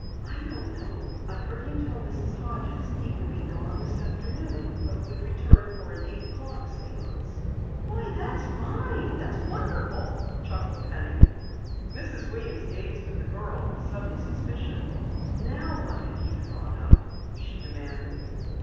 "I don't know. I heard him tell Mrs. Hodges he would be gone this afternoon, but would return for an eight o'clock séance." "Why, that's fine wonderful!" chuckled Penny. Mrs. Weems gazed at the girl with sudden suspicion. "Now what have you thought up?" she demanded.